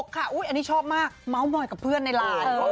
ค่ะอันนี้ชอบมากเมาส์มอยกับเพื่อนในไลน์